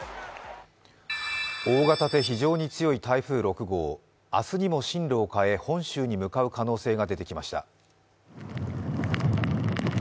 大型で非常に強い台風６号、明日にも進路を変え本州に向かう可能性が出てきました。